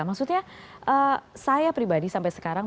maksudnya saya pribadi sampai sekarang